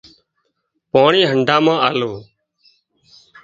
پاڻي هنڍا مان آلو